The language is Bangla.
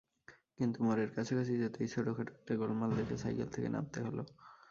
কিন্তু মোড়ের কাছাকাছি যেতেই ছোটখাটো একটা গোলমাল দেখে সাইকেল থেকে নামতে হলো।